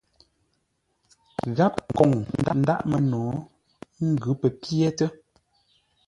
Gháp kôŋ ndáʼ məno, ngʉ́ pə pyétə́.